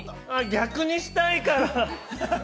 逆にしたいから。